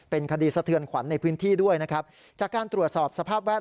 เป็นคดีสเตือนขวัญในพื้นที่ด้วยนะครับ